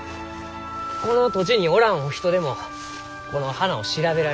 この土地におらんお人でもこの花を調べられる。